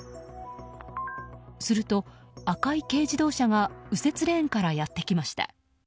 すると、赤い軽自動車が右折レーンからやってきました。